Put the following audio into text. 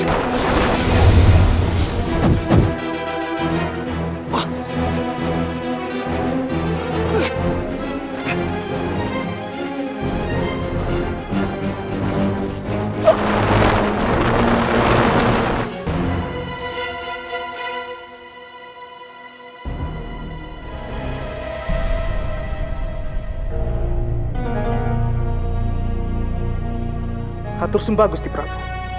hapunten gusti prangka